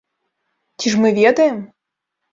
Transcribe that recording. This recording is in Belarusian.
Ці ж мы ведаем?!